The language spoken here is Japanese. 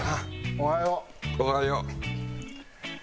おはよう。